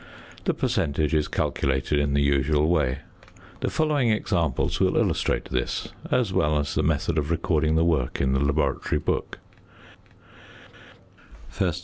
The percentage is calculated in the usual way. The following examples will illustrate this, as well as the method of recording the work in the laboratory book: Cylinder I.